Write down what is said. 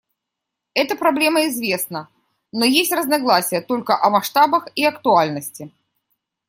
Это проблема известна, но есть разногласия только о масштабах и актуальности.